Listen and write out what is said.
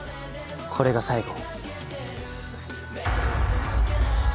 これが最後。